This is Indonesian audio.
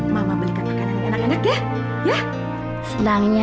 mama belikan makanan yang enak enak ya